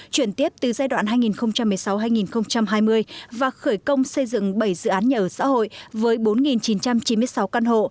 chuyển tiếp từ giai đoạn hai nghìn một mươi sáu hai nghìn hai mươi và khởi công xây dựng bảy dự án nhà ở xã hội với bốn chín trăm chín mươi sáu căn hộ